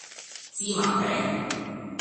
芝麻餅